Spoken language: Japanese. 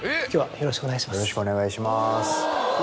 よろしくお願いします。